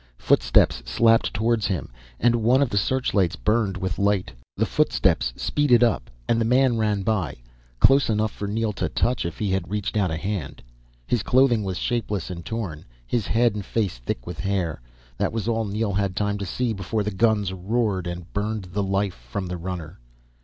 Footsteps slapped towards him and one of the searchlights burned with light. The footsteps speeded up and the man ran by, close enough for Neel to touch if he had reached out a hand. His clothing was shapeless and torn, his head and face thick with hair. That was all Neel had time to see before the guns roared and burned the life from the runner.